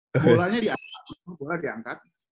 bolanya diangkat bola diangkat